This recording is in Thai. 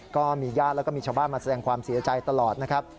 ก็มีญาติแล้วก็มีชาวบ้านมาแสดงความเสียใจตลอดนะครับ